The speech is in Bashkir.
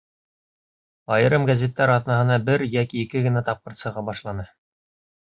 Айырым гәзиттәр аҙнаһына бер йәки ике генә тапҡыр сыға башланы.